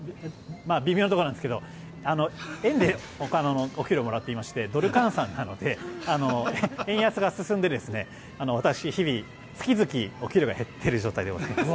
微妙なところなんですけど円でお給料をもらっていましてドル換算なので、円安が進んで私、日々、月々お給料が減っている状況でございます。